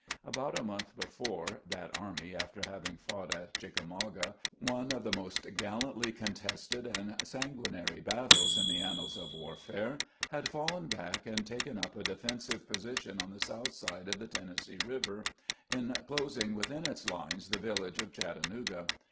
About a month before, that army, after having fought at Chickamauga one of the most gallantly contested and sanguinary battles in the annals of warfare, had fallen back and taken up a defensive position on the south side of the Tennessee River, inclosing within its lines the village of Chatta nooga.